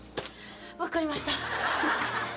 分かりました。